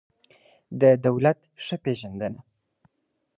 د دولت ښه پېژندنه